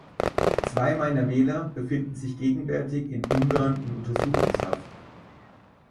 Zwei meiner Wähler befinden sich gegenwärtig in Ungarn in Untersuchungshaft.